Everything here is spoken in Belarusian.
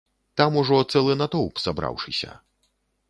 Там ужо цэлы натоўп сабраўшыся.